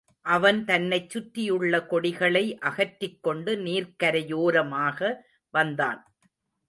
அவன் தன்னைச் சுற்றியுள்ள கொடிகளை அகற்றிக்கொண்டு நீர்க்கரையோரமாக வந்தான்.